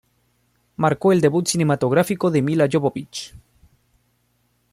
Marcó el debut cinematográfico de Milla Jovovich.